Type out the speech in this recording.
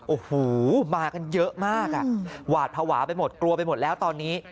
โอ้โหมากันเยอะมากหวาดภาวะไปหมดกลัวไปหมดแล้วตอนนี้